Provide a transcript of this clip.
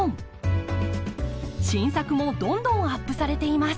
新作もどんどんアップされています。